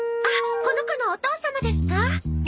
あっこの子のお父様ですか？